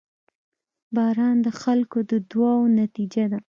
• باران د خلکو د دعاوو نتیجه ده.